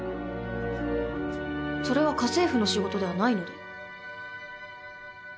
それは家政婦の仕事ではないので。